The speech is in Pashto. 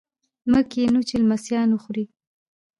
موږ کینوو چې لمسیان وخوري.